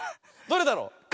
どれだろう？